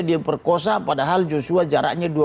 dia perkosa padahal joshua jaraknya